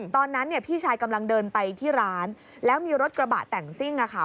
ตอนนั้นเนี่ยพี่ชายกำลังเดินไปที่ร้านแล้วมีรถกระบะแต่งซิ่งอะค่ะ